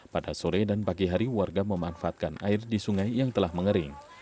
pada sore dan pagi hari warga memanfaatkan air di sungai yang telah mengering